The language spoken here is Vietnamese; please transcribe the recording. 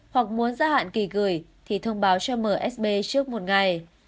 hoặc muốn gia hạn kỳ gửi thì thông báo cho msb trước một ngày